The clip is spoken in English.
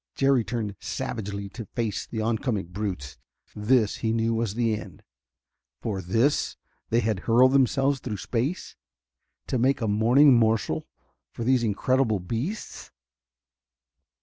Jerry turned savagely to face the oncoming brutes. This, he knew, was the end. For this they had hurled themselves through space to make a morning morsel for these incredible beasts.